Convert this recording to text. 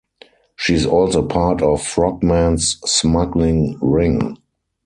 She is also part of Frogman's smuggling ring.